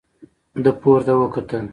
ده پورته وکتل.